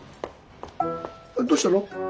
どうしたの？